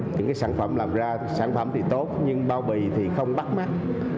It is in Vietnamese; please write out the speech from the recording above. những sản phẩm làm ra sản phẩm thì tốt nhưng bao bì thì không đắt